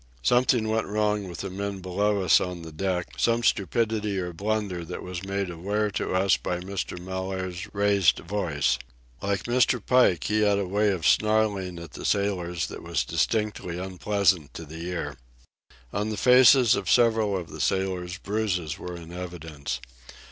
Something went wrong with the men below us on the deck, some stupidity or blunder that was made aware to us by Mr. Mellaire's raised voice. Like Mr. Pike, he had a way of snarling at the sailors that was distinctly unpleasant to the ear. On the faces of several of the sailors bruises were in evidence.